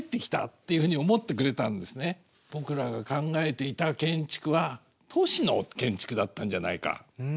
僕らが考えていた建築は都市の建築だったんじゃないか。